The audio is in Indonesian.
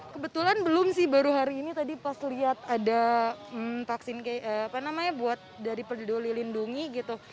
kebetulan belum sih baru hari ini tadi pas lihat ada vaksin apa namanya buat dari peduli lindungi gitu